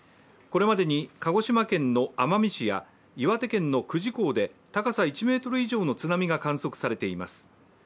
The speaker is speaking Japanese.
これまでに鹿児島県の奄美市や岩手県の久慈港で高さ１ｍ以上の津波が観測されています。